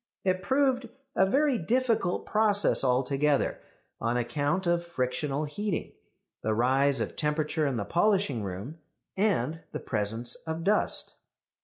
It proved a very difficult process altogether, on account of frictional heating, the rise of temperature in the polishing room, and the presence of dust.